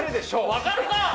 わかるか！